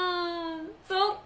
そっか。